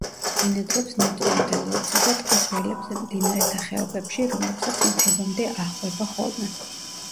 ბინადრობს ნოტიო მდელოებსა და ტყის ველებზე, მდინარეთა ხეობებში, რომლებსაც მთებამდე აჰყვება ხოლმე.